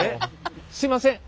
すみません